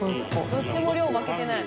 どっちも量負けてない。